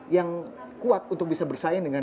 yang kuat untuk bisa bersaing dengan